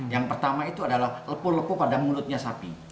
yang pertama itu adalah lepuh lepuh pada mulutnya sapi